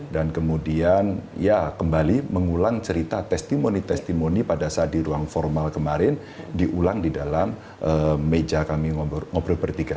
dan kemudian ya kembali mengulang cerita testimoni testimoni pada saat di ruang formal kemarin diulang di dalam meja kami ngobrol bertiga